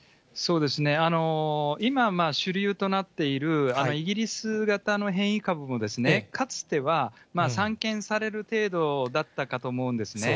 今、主流となっているイギリス型の変異株も、かつては散見される程度だったかと思うんですね。